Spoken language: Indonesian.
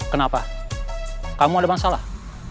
kenapa kamu ada masalah